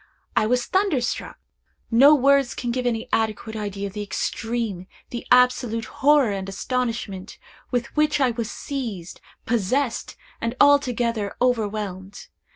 I was thunderstruck! No words can give any adequate idea of the extreme, the absolute horror and astonishment, with which I was seized possessed, and altogether overwhelmed.